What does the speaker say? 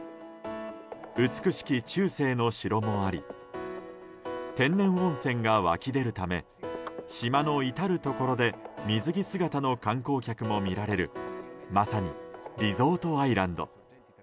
美しき中世の城もあり天然温泉が湧き出るため島の至るところで水着姿の観光客も見られるまさにリゾートアイランド。